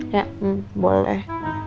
ya hmm boleh